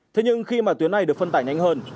thế nhưng khi mà tuyến này được phân tải nhanh hơn